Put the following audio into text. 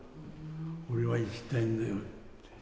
俺は行きたいんだよ。